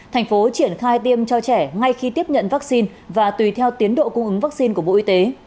thành phố triển khai tiêm cho trẻ ngay khi tiếp nhận vaccine và tùy theo tiến độ cung ứng vaccine của bộ y tế